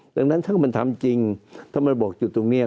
ดังนั้นถ้ามันทำจริงถ้ามันบอกจุดตรงนี้